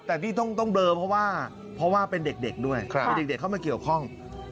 แต่ที่ต้องเบลอเพราะว่าเพราะว่าเป็นเด็กด้วยมีเด็กเข้ามาเกี่ยวข้อง